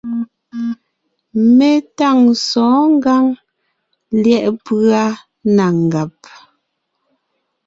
Mé tâŋ sɔ̌ɔn ngǎŋ lyɛ̌ʼ pʉ́a na ngàb;